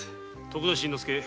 徳田新之助。